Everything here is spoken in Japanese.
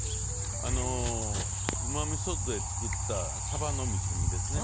うまみそ酢で作ったさばのみそ煮ですね。